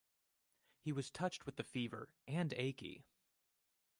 He was touched with the fever and achy.